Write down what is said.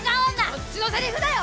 こっちのセリフだよ！